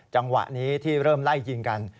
จังหวะนี้ที่เริ่มไล่ยิงกัน